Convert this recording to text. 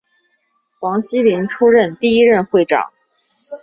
黄锡麟出任第一任会长。